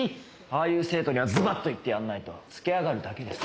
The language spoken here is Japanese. ああいう生徒にはズバッと言ってやんないとつけ上がるだけです。